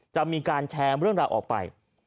จะมีการแชร์เรื่องราวออกไป